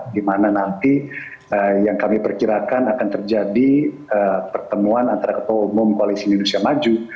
di mana nanti yang kami perkirakan akan terjadi pertemuan antara ketua umum koalisi indonesia maju